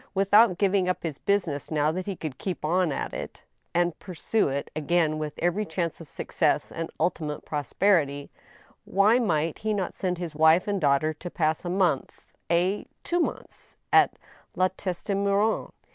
With out giving up his business now that he could keep on at it, and pur sue it again with every chance of success and ultimate prosperity; why might he not send his wife and daughter to pass a month— ay, two months— at La Teste Muiron